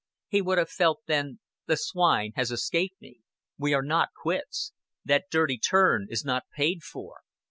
He would have felt then "The swine has escaped me. We are not quits. That dirty turn is not paid for."